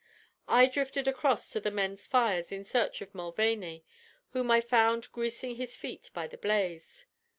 I drifted across to the men's fires in search of Mulvaney, whom I found greasing his feet by the blaze.